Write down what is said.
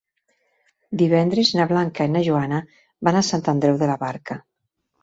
Divendres na Blanca i na Joana van a Sant Andreu de la Barca.